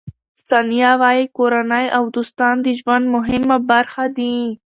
ثانیه وايي، کورنۍ او دوستان د ژوند مهمه برخه دي.